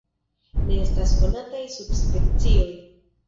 Ne estas konataj subspecioj.